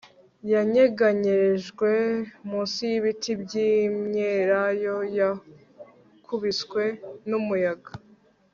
Yanyeganyejwe munsi yibiti byimyelayo yakubiswe numuyaga